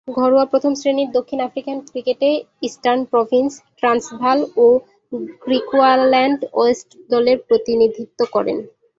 ঘরোয়া প্রথম-শ্রেণীর দক্ষিণ আফ্রিকান ক্রিকেটে ইস্টার্ন প্রভিন্স, ট্রান্সভাল ও গ্রিকুয়াল্যান্ড ওয়েস্ট দলের প্রতিনিধিত্ব করেন।